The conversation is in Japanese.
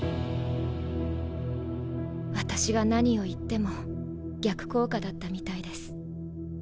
私が何を言っても逆効果だったみたいです。